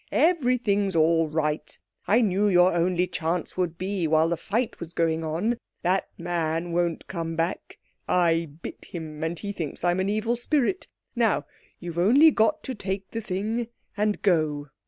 Everything's all right. I knew your only chance would be while the fight was going on. That man won't come back. I bit him, and he thinks I'm an Evil Spirit. Now you've only got to take the thing and go."